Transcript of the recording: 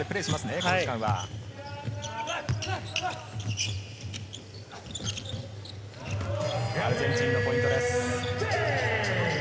アルゼンチンのポイントです。